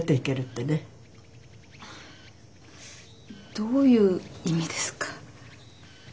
どういう意味ですか？